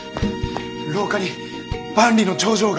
廊下に万里の長城が。